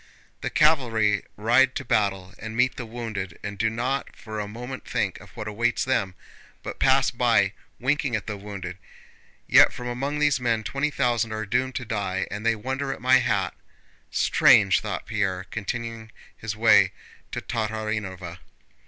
"The cavalry ride to battle and meet the wounded and do not for a moment think of what awaits them, but pass by, winking at the wounded. Yet from among these men twenty thousand are doomed to die, and they wonder at my hat! Strange!" thought Pierre, continuing his way to Tatárinova.